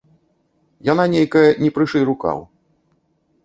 Яна нейкая не прышый рукаў.